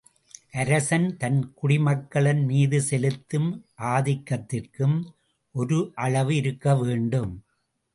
அரசன் தன் குடிமக்களின் மீது செலுத்தும் ஆதிக்கத்திற்கும் ஒரு அளவு இருக்கவேண்டும்.